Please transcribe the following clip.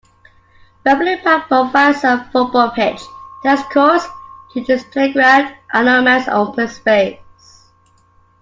Beverley Park provides a football pitch, tennis courts, children's playground, allotments and open space.